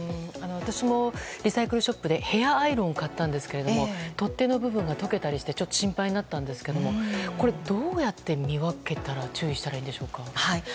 私もリサイクルショップでヘアアイロンを買ったんですけど取っ手の部分が溶けたりして心配になったんですけれどもこれどうやって見分けたら注意したらいいんでしょうか。